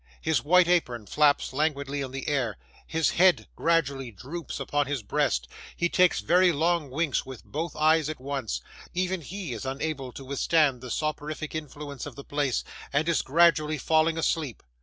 His white apron flaps languidly in the air, his head gradually droops upon his breast, he takes very long winks with both eyes at once; even he is unable to withstand the soporific influence of the place, and is gradually falling asleep.